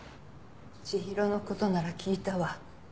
千尋の事なら聞いたわ。